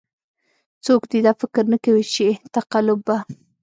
څوک دې دا فکر نه کوي چې تقلب به.